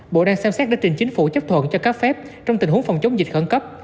bộ đang xem xét để trình chính phủ chấp thuận cho các phép trong tình huống phòng chống dịch khẩn cấp